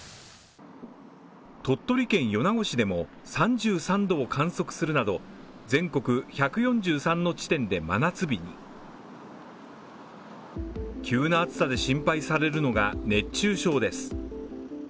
鳥取県米子市でも３３度を観測するなど全国１４３の地点で真夏日に急な暑さで心配されるのが熱中症です。